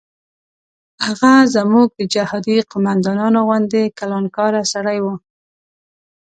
هغه زموږ د جهادي قوماندانانو غوندې کلانکاره سړی و.